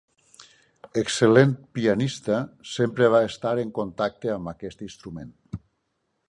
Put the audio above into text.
Excel·lent pianista, sempre va estar en contacte amb aquest instrument.